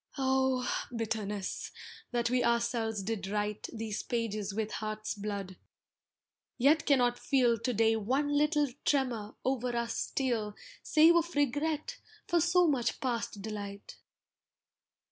Oh! bitterness, that we ourselves did write These pages with heart's blood, yet cannot feel To day one little tremor o'er us steal Save of regret for so much past delight!